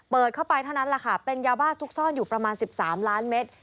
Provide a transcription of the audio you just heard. เปิดเข้าไปเท่านั้นแหละค่ะเป็นยาบ้าซุกซ่อนอยู่ประมาณ๑๓ล้านเมตร